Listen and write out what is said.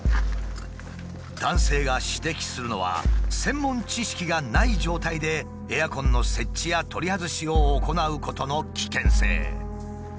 男性が指摘するのは専門知識がない状態でエアコンの設置や取り外しを行うことの危険性。